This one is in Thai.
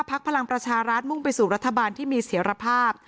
พลังประชารัฐมุ่งไปสู่รัฐบาลที่มีเสียรภาพ